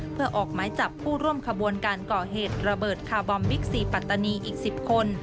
เพื่อออกหมายจับผู้ร่วมขบวนการก่อเหตุระเบิดคาร์บอมบิ๊กซีปัตตานีอีก๑๐คน